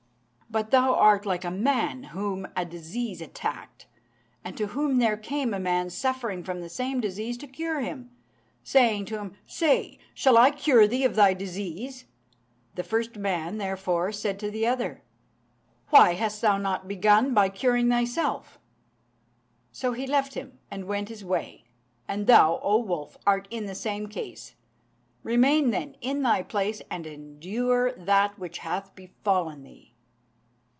But thou art like a man whom a disease attacked, and to whom there came a man suffering from the same disease to cure him, saying to him, 'Shall I cure thee of thy disease?' The first man, therefore, said to the other, 'Why hast thou not begun by curing thyself?' So he left him and went his way. And thou, O wolf, art in the same case. Remain, then, in thy place, and endure that which hath befallen thee."